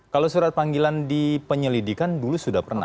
kalau surat panggilan di penyelidikan dulu sudah pernah